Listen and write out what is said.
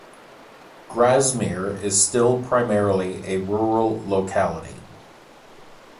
Grasmere is still primarily a rural locality.